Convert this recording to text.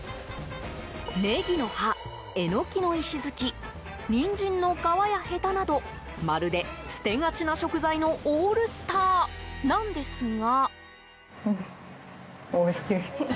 ネギの葉、エノキの石づきニンジンの皮やヘタなどまるで、捨てがちな食材のオールスターなんですが。